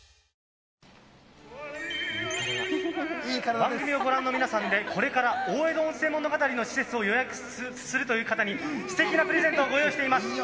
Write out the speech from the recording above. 番組をご覧の皆さんでこれから大江戸温泉物語の施設を予約する方にすてきなプレゼントを用意しています。